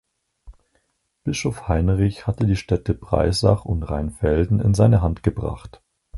Bischof Heinrich hatte die Städte Breisach und Rheinfelden in seine Hand gebracht.